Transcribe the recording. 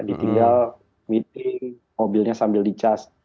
ditinggal meeting mobilnya sambil di charge